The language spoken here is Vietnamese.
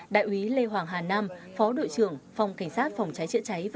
đại úy lê hoàng hà nam phó đội trưởng phòng cảnh sát phòng cháy chữa cháy và